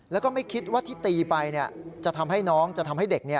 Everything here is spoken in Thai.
แล้วก็ไม่คิดว่าที่ตีไปจะทำให้น้องจะทำให้เด็ก